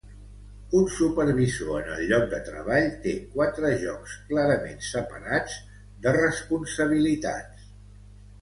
Un supervisor en el lloc de treball té quatre jocs clarament separats de responsabilitats.